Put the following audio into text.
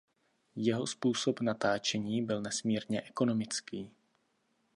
Jeho způsob natáčení byl nesmírně ekonomický.